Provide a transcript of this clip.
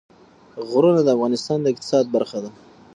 غرونه د افغانستان د اقتصاد برخه ده.